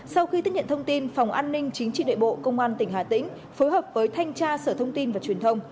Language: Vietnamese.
sau khi tiếp nhận thông tin phòng an ninh chính trị nội bộ công an tỉnh hà tĩnh phối hợp với thanh tra sở thông tin và truyền thông